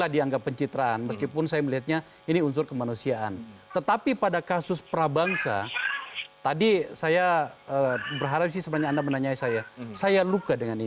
dan pancasila itu menjadi syarat bagi